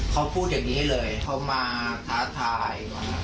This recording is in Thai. เขาพูดอย่างนี้เลยเขามาท้าทาย